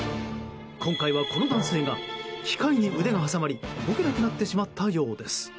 今回は、この男性が機械に腕が挟まり動けなくなってしまったようです。